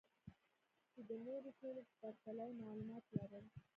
چې د نورو ټولو په پرتله يې معلومات لرل.